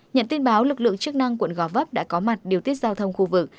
nhận tin báo lực lượng chức năng quận gò vấp đã có mặt điều tiết giao thông khu vực